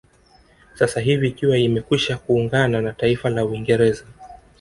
Sasa hivi ikiwa imekwisha kuungana na taifa la Uingerza